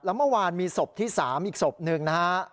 แล้วเมื่อวานมีศพที่๓อีกศพหนึ่งนะฮะ